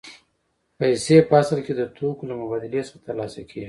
پیسې په اصل کې د توکو له مبادلې څخه ترلاسه کېږي